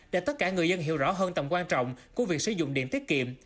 để tất cả người dân hiểu rõ hơn tầm quan trọng của việc sử dụng điện tiết kiệm